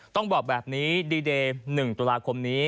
ต้องบอกแบบนี้ดีเดย์๑ตุลาคมนี้